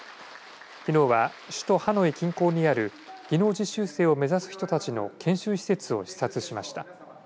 きのうは首都ハノイ近郊にある技能実習生を目指す人たちの研修施設を視察しました。